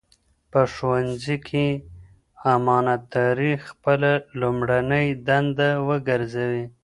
په ښوونځي کې امانتداري خپله لومړنۍ دنده وګرځوئ.